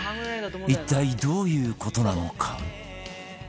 一体どういう事なのか？